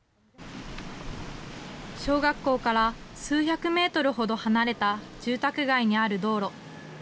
小学校から数百メートルほど離れた住宅街にある道路。